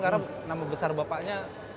karena nama besar bapaknya